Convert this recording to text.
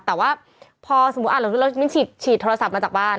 แต่ว่าพอสมมุติมิ้นฉีดโทรศัพท์มาจากบ้าน